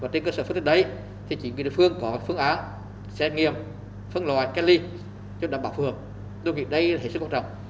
trên cơ sở phân tích đấy thì chính quyền địa phương có phương án xét nghiệm phân loại cách ly cho đảm bảo phường